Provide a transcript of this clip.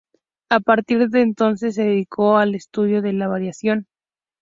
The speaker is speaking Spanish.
A partir de entonces, se dedicó al estudio de la variación.